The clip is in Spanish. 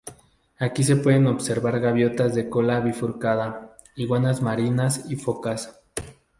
Aquí se pueden observar gaviotas de cola bifurcada, iguanas marinas y focas.